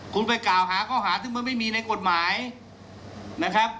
คุณไปกล่าวหาข้อหาซึ่งมันไม่มีในกฎหมายนะครับ